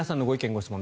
・ご質問